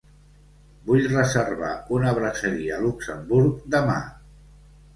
Vull reservar una brasserie a Luxemburg demà.